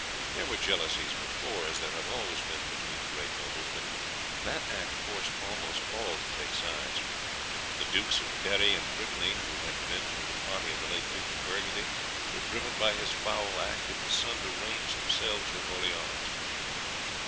There were jealousies before, as there have always been between the great nobles, but that act forced almost all to take sides. The Dukes of Berri and Brittany, who had been of the party of the late Duke of Burgundy, were driven by this foul act of his son to range themselves with Orleans.